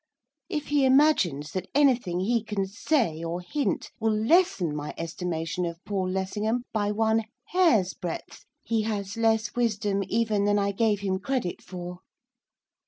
If he imagines that anything he can say, or hint, will lessen my estimation of Paul Lessingham by one hair's breadth, he has less wisdom even than I gave him credit for.